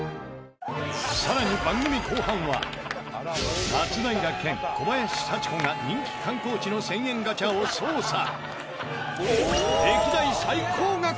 更に番組後半は松平健小林幸子が人気観光地の１０００円ガチャを捜査！